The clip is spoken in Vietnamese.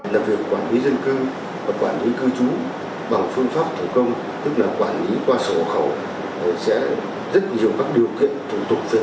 làm việc quản lý dân cư và quản lý cư chú bằng phương pháp thủ công